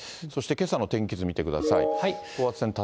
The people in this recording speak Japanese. そしてけさの天気図見てください。